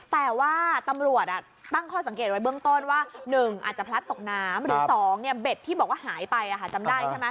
แต่ว่าตำรวจตั้งข้อสังเกตไว้เบื้องต้นว่า